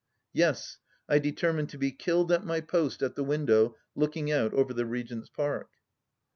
Yes, I determined to be killed at my post at the window looking out over the Regent's Park